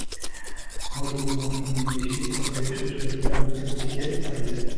হরিমোহিনী বিস্মিত হইয়া সুচরিতার মুখের দিকে চাহিলেন।